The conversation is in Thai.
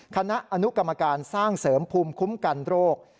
คณะอนุกรรมการสร้างเสริมภูมิคุ้มกันโรค